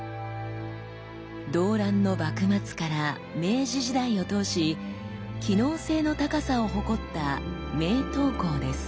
動乱の幕末から明治時代を通し機能性の高さを誇った名刀工です。